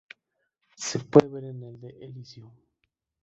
Se pueden ver en el de Elysium.